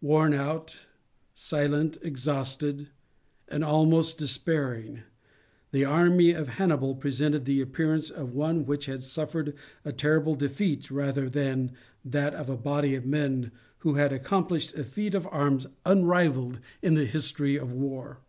Worn out, silent, exhausted, and almost despairing, the army of Hannibal presented the appearance of one which had suffered a terrible defeat, rather than that of a body of men who had accomplished a feat of arms unrivalled in the history of war.